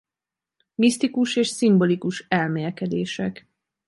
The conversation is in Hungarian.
Misztikus és szimbolikus elmélkedések.